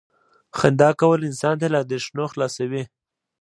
• خندا کول انسان له اندېښنو خلاصوي.